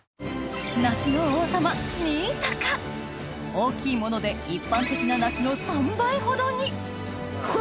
大きいもので一般的な梨の３倍ほどに！